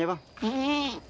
selamat siang bang